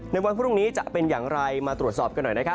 ในวันพรุ่งนี้จะเป็นอย่างไรมาตรวจสอบกันหน่อยนะครับ